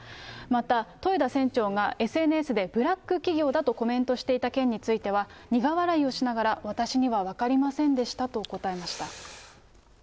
また、豊田船長がＳＮＳでブラック企業だとコメントしていた件については、苦笑いをしながら、私には分かりませんでしたと答えました。